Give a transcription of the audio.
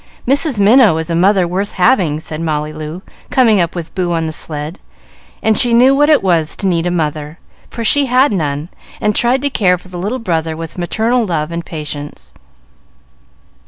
"Mrs. Minot is a mother worth having," said Molly Loo, coming up with Boo on the sled; and she knew what it was to need a mother, for she had none, and tried to care for the little brother with maternal love and patience.